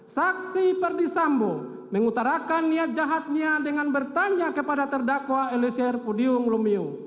saksi perdisambo mengutarakan niat jahatnya dengan bertanya kepada terdakwa elisir pudium lumiu